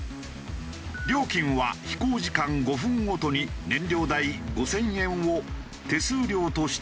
料金は飛行時間５分ごとに燃料代５０００円を手数料として請求。